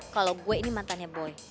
kalau gue ini mantannya boy